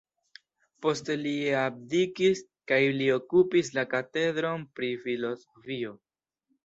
Poste li abdikis kaj li okupis la katedron pri filozofio.